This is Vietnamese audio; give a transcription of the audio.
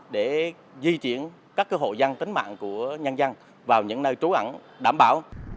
để di chuyển các hộ dân tính mạng của nhân dân vào những nơi trú ẩn đảm bảo